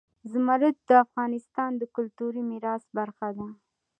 زمرد د افغانستان د کلتوري میراث برخه ده.